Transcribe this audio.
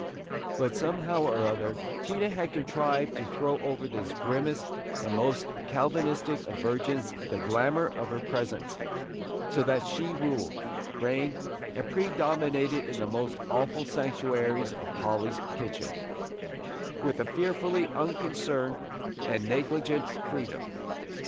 But somehow or other Tina had contrived to throw over this grimmest and most Calvinistic of virgins the glamour of her presence, so that she ruled, reigned, and predominated in the most awful sanctuaries of Polly's kitchen, with a fearfully unconcerned and negligent freedom.